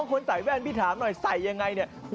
คนใส่แว่นพี่ถามหน่อยใส่ยังไงเนี่ย